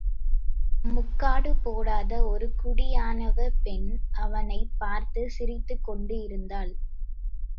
முக்காடு போடாத ஒரு குடியானவப் பெண் அவனைப் பார்த்துச் சிரித்துக்கொண்டு இருந்தாள்.